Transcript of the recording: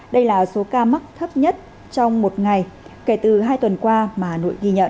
đây là số ca mắc thấp nhất trong một ngày kể từ hai tuần qua mà hà nội ghi nhận